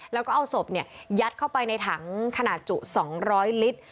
แล้วก็เอาศพยัดเข้าไปในถังขนาดจุ๒๐๐ลิตร